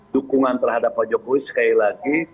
dukungan terhadap pak jokowi sekali lagi